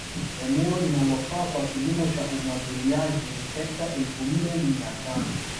Eneo linalofaa kwa kilimo cha Umwagiliaji ni hekta elfu nne mia tano